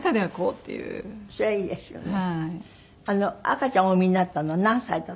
赤ちゃんをお産みになったの何歳だったの？